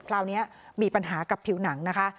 คราวนี้มีปัญหากับผิวหนังนะคะ